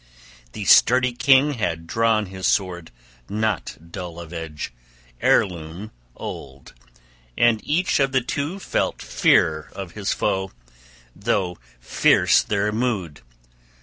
The sturdy king had drawn his sword, not dull of edge, heirloom old; and each of the two felt fear of his foe, though fierce their mood.